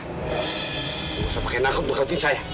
lu gak usah pake nangkep untuk ngantuin saya